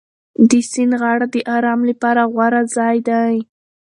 د سیند غاړه د ارام لپاره غوره ځای دی.